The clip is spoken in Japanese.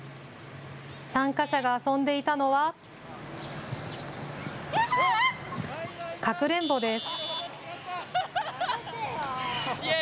参加者が遊んでいたのはかくれんぼです。